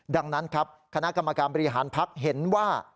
ดังนั้นครับคณะกรรมการบริหารพักเห็นว่า